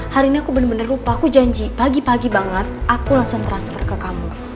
hari ini aku bener bener lupa aku janji pagi pagi banget aku langsung transfer ke kamu